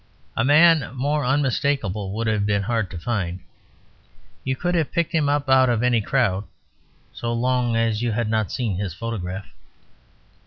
A man more unmistakable would have been hard to find. You could have picked him out in any crowd so long as you had not seen his photograph.